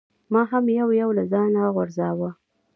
ما هم یو یو له ځانه غورځاوه.